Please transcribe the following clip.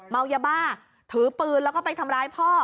เมายาบ้าถือปืนแล้วก็ไปทำร้ายพ่อ